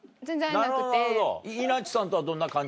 いなっちさんとはどんな感じ？